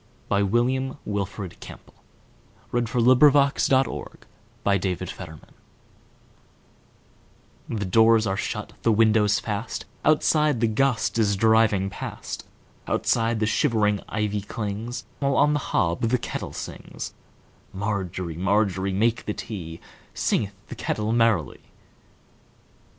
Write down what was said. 1895. William Wilfred Campbell 1861–1918 A Canadian Folk Song CampbllWW THE DOORS are shut, the windows fast, Outside the gust is driving past, Outside the shivering ivy clings, While on the hob the kettle sings. Margery, Margery, make the tea, Singeth the kettle merrily.